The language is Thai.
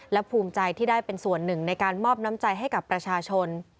และภูมิใจที่ได้เป็นส่วนหนึ่งในการมอบน้ำใจให้กับประชาชน